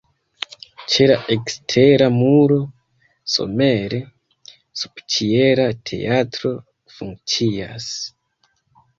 Ĉe la ekstera muro somere subĉiela teatro funkcias.